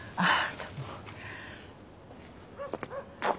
どうも。